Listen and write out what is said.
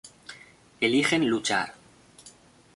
Eligen luchar.